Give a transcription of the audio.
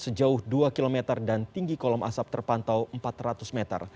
sejauh dua km dan tinggi kolom asap terpantau empat ratus meter